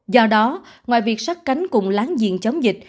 do đó ngoài việc sát cánh cùng láng giềng chống dịch